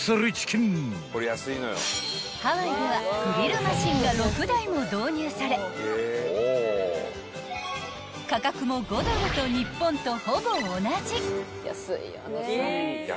［ハワイではグリルマシンが６台も導入され価格も５ドルと日本とほぼ同じ］